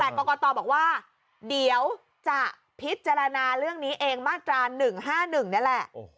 แต่กรกตบอกว่าเดี๋ยวจะพิจารณาเรื่องนี้เองมาตรา๑๕๑นี่แหละ